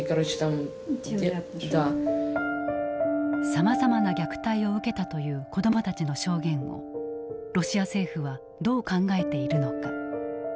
さまざまな虐待を受けたという子どもたちの証言をロシア政府はどう考えているのか。